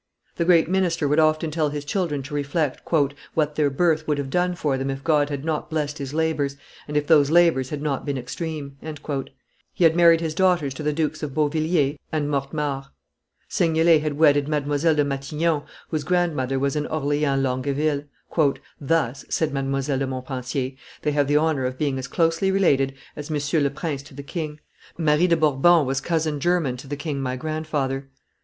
The great minister would often tell his children to reflect "what their birth would have done for them if God had not blessed his labors, and if those labors had not been extreme." He had married his daughters to the Dukes of Beauvilliers, Chevreuse, and Mortemart; Seignelay had wedded Mdlle. de Matignon, whose grandmother was an Orleans Longueville. "Thus," said Mdlle de Montpensier, "they have the honor of being as closely related as M. le Prince to the king; Marie de Bourbon was cousin german to the king my grandfather.